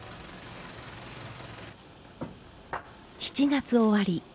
７月終わり。